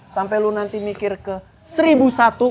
sampai lu nanti mikir ke seribu satu